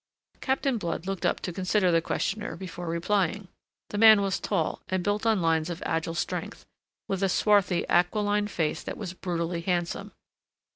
Captain Blood looked up to consider the questioner before replying. The man was tall and built on lines of agile strength, with a swarthy, aquiline face that was brutally handsome.